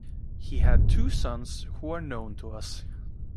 He had two sons who are known to us.